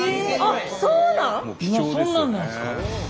今そんなんなんですか？